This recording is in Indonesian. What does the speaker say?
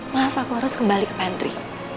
maaf aku harus kembali ke pantri